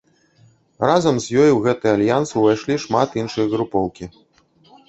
Разам з ёй у гэты альянс ўвайшлі шмат іншых групоўкі.